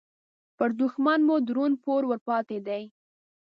پر دوښمن مو درون پور ورپاتې دې